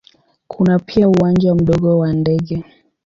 Kuna pia uwanja mdogo wa ndege.